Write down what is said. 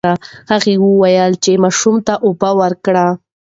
هغه وویل چې ماشوم ته اوبه ورکړه.